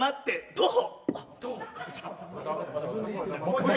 徒歩。